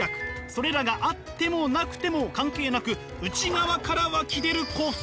それらがあってもなくても関係なく内側から湧き出る幸福。